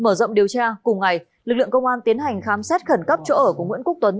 mở rộng điều tra cùng ngày lực lượng công an tiến hành khám xét khẩn cấp chỗ ở của nguyễn quốc tuấn